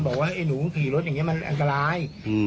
บอกว่าไอ้หนูขี่รถอย่างนี้มันอันตราย